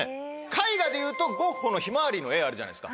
絵画でいうとゴッホのひまわりの絵あるじゃないですか。